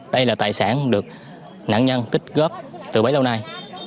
đây là tài sản được nạn nhân tích góp từ bấy lâu nay